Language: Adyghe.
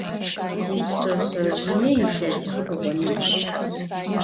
Sipşseşsezjıê yilhesibğu ınıbj.